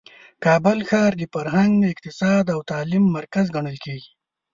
کابل ښار د فرهنګ، اقتصاد او تعلیم مرکز ګڼل کیږي.